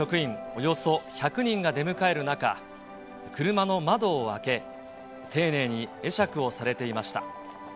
およそ１００人が出迎える中、車の窓を開け、丁寧に会釈をされていました。